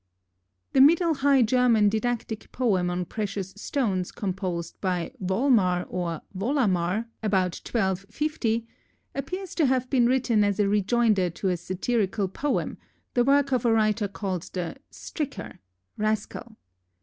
The Middle High German didactic poem on precious stones, composed by Volmar, or Volamar, about 1250, appears to have been written as a rejoinder to a satirical poem, the work of a writer called the "Stricker" (rascal).